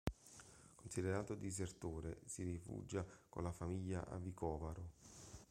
Considerato disertore, si rifugia con la famiglia a Vicovaro.